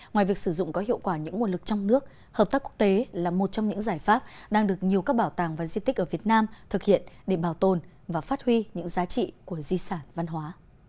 ngoài việc sử dụng có hiệu quả những nguồn lực trong nước hợp tác quốc tế là một trong những giải pháp đang được nhiều các bảo tàng và di tích ở việt nam thực hiện để bảo tồn và phát huy những giá trị của di sản văn hóa